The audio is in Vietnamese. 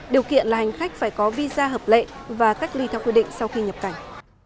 điều kiện là hành khách phải có visa hợp lệ và cách ly theo quy định sau khi nhập cảnh